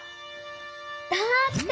だって！